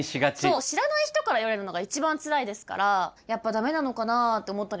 そう知らない人から言われるのが一番つらいですからやっぱダメなのかなって思ったりはします。